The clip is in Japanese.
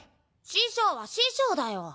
師匠は師匠だよ。